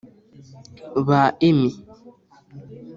ba Emmy